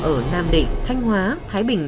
ở nam định thanh hóa thái bình